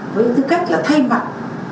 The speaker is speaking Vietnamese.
với tư cách là thay mặt